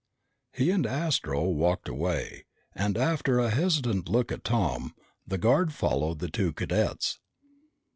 He and Astro walked away, and after a hesitant look at Tom, the guard followed the two cadets.